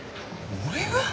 俺が？